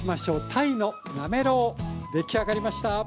鯛のなめろう出来上がりました。